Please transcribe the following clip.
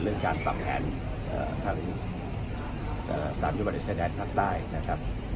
เรื่องการปรับแผนทางสามชาวบาลใดแสดงภาคใต้นะครับ